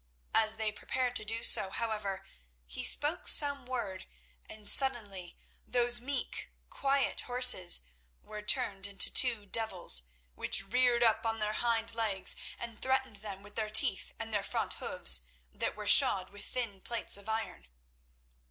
As they prepared to do so, however, he spoke some word, and suddenly those meek, quiet horses were turned into two devils, which reared up on their hind legs and threatened them with their teeth and their front hoofs, that were shod with thin plates of iron.